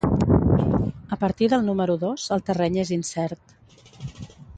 A partir del número dos el terreny és incert.